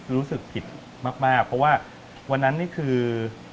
รู้สึกผิดมากเพราะว่าวันนั้นนี่คือ